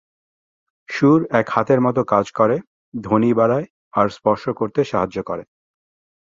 শুঁড় এক হাতের মত কাজ করে, ধ্বনি বাড়ায়, আর স্পর্শ করতে সাহায্য় করে।